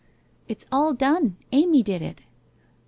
' It's all done. Amy did it.'